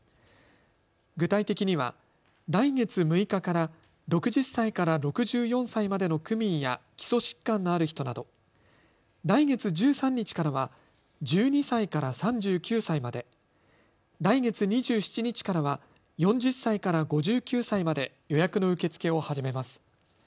具体的には来月６日から６０歳から６４歳までの区民や基礎疾患のある人など、来月１３日からは１２歳から３９歳まで、来月２７日からは４０歳から５９歳まで予約の受け付けを始めます。